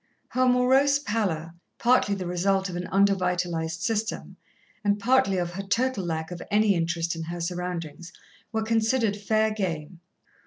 Her morose pallor, partly the result of an under vitalized system, and partly of her total lack of any interest in her surroundings, were considered fair game.